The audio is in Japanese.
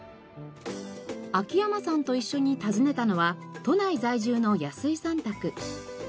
秋山さんと一緒に訪ねたのは都内在住の安井さん宅。